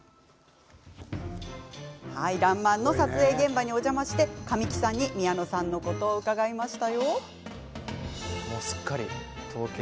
「らんまん」の撮影現場にお邪魔して、神木さんに宮野さんのことを伺いました。